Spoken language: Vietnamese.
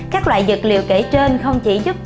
các loại dược liệu kể trên không chỉ giúp